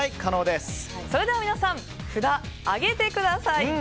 それでは皆さん札を挙げてください。